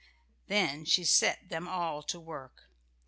Then she set them all to work.